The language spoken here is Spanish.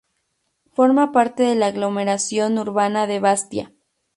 Forma parte de la aglomeración urbana de Bastia.